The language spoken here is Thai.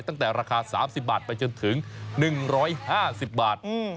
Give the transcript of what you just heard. ตั้งแต่ราคา๓๐บาทไปจนถึง๑๕๐บาท